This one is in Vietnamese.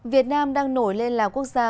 việt nam đang nổi lên là quốc gia